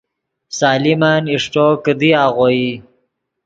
سلیمن اݰٹو، کیدی آغوئی